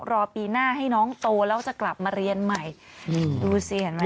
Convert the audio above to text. รอปีหน้าให้น้องโตแล้วจะกลับมาเรียนใหม่ดูสิเห็นไหม